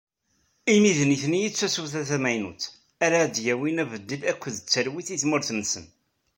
Imi d nutni i tasuta tamaynut ara d-yawin abeddel akked talwit i tmurt-nsen.